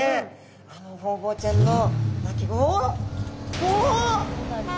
あのホウボウちゃんの鳴き声おお？